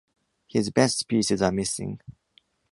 His best pieces are missing.